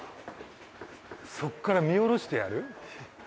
そっから見下ろしてやる？